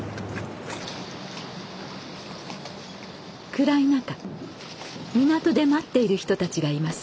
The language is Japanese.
暗い中港で待っている人たちがいます。